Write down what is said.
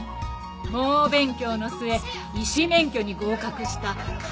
猛勉強の末医師免許に合格した型破りな男